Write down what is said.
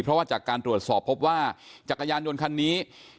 เพราะว่าจากการตรวจสอบพบว่าจักรยานยนต์คันนี้